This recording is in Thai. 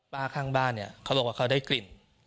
ป้าข้างบ้านเขาบอกว่าเขาได้กลิ่น